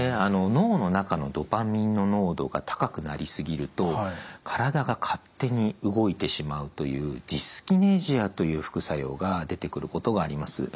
脳の中のドパミンの濃度が高くなりすぎると体が勝手に動いてしまうというジスキネジアという副作用が出てくることがあります。